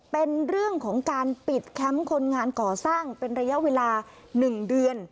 เป็นเรื่องของการปิดแคมป์คนงานก่อสร้างเป็นระยะเวลา๑เดือน